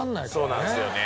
そうなんですよね。